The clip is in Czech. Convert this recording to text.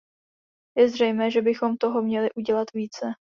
Je zřejmé, že bychom toho měli udělat více.